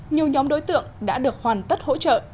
nhiều nhóm đối tượng đã được hoàn tất hỗ trợ